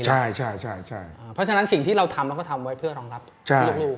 เพราะฉะนั้นสิ่งที่เราทำเราก็ทำไว้เพื่อรองรับลูก